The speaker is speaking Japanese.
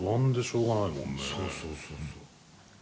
そうそうそうそう。